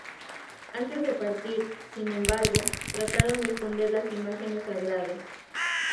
Antes de partir, sin embargo, trataron de esconder las imágenes sagradas.